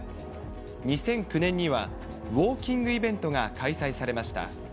２００９年には、ウオーキングイベントが開催されました。